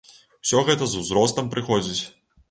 Усё гэта з узростам прыходзіць.